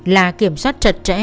là kiểm soát trật trẽ